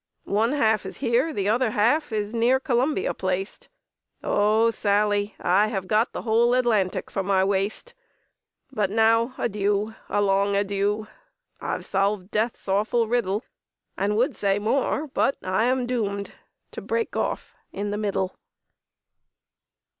"One half is here, the other half Is near Columbia placed; Oh! Sally, I have got the whole Atlantic for my waist. "But now, adieu a long adieu! I've solved death's awful riddle, And would say more, but I am doomed To break off in the middle!"